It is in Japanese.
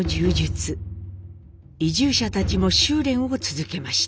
移住者たちも修練を続けました。